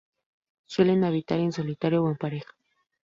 Suelen habitar en solitario o en pareja.